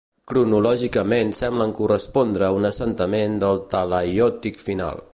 Cronològicament semblen correspondre a un assentament del talaiòtic final.